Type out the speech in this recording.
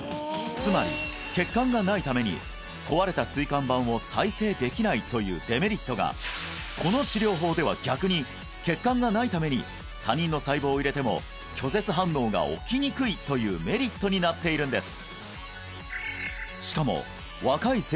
つまり血管がないために壊れた椎間板を再生できないというデメリットがこの治療法では逆に血管がないために他人の細胞を入れても拒絶反応が起きにくいというメリットになっているんです